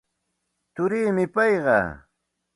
Turiimi payqa.